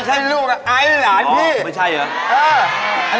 เค้าเรียกว่าฟิวเจอร์